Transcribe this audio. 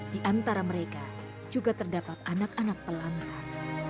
di antara mereka juga terdapat anak anak pelantar